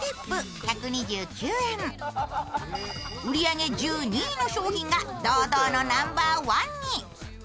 売り上げ１２位の商品が堂々のナンバーワンに。